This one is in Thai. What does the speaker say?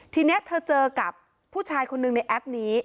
ทีนี้เธอเจอกับผู้ชายคนหนึ่งในแอปนี้